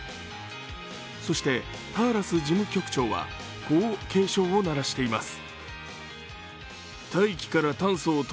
そしてターラス事務局長は、こう警鐘を鳴らしています。